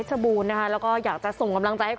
เจอปัญหาใด